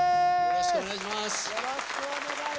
よろしくお願いします。